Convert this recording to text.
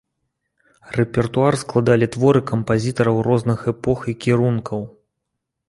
Рэпертуар складалі творы кампазітараў розных эпох і кірункаў.